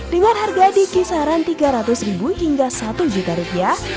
dengan harga di kisaran tiga ratus ribu hingga satu juta rupiah